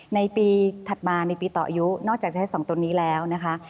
ในปีถัดมาในปีต่อยุนอกจากใช้สองตัวนี้แล้วนะคะ